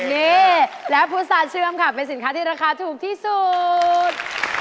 นี่แล้วพุษาเชื่อมค่ะเป็นสินค้าที่ราคาถูกที่สุด